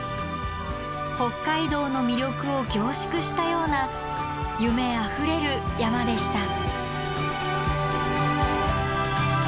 北海道の魅力を凝縮したような夢あふれる山でした。